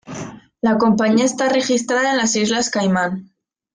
La compañía está registrada en las Islas Caimán.